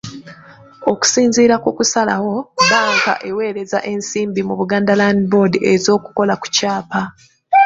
Okusinziira ku kusalawo, bbanka eweereza ensimbi mu Buganda Land Board ez’okukola ku kyapa.